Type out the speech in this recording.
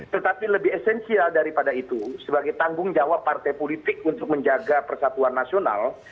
tetapi lebih esensial daripada itu sebagai tanggung jawab partai politik untuk menjaga persatuan nasional